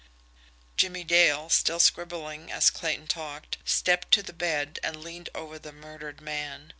Jimmie Dale, still scribbling as Clayton talked, stepped to the bed and leaned over the murdered man.